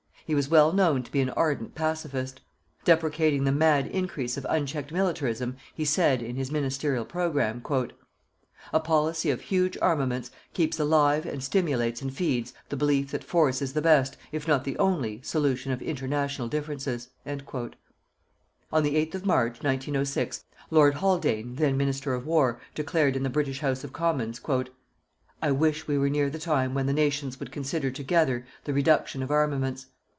He was well known to be an ardent pacifist. Deprecating the mad increase of unchecked militarism, he said, in his ministerial program: "_A policy of huge armaments keeps alive and stimulates and feeds the belief that force is the best, if not the only, solution of international differences._" On the 8th of March, 1906, Lord Haldane, then Minister of War, declared in the British House of Commons: "_I wish we were near the time when the nations would consider together the reduction of armaments....